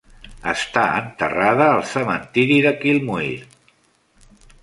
Està enterrada al cementiri de Kilmuir.